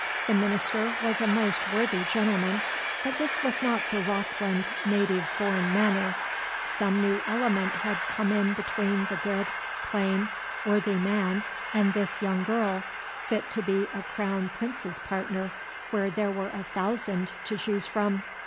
The minister was a most worthy gentleman, but this was not the Rockland native born manner; some new element had come in between the good, plain, worthy man and this young girl, fit to be a Crown Prince's partner where there were a thousand to choose from.